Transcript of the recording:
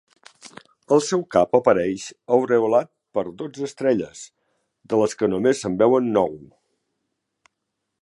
El seu cap apareix aureolat per dotze estrelles, de les que només se’n veuen nou.